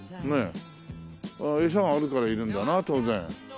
エサがあるからいるんだな当然。